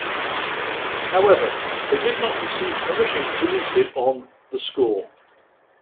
However, they did not receive permission to release it on "The Score".